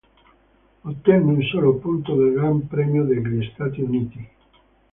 Ottenne un solo punto nel Gran Premio degli Stati Uniti-Est.